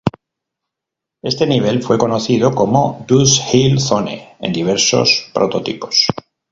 Éste nivel fue conocido como "Dust Hill Zone" en diversos prototipos.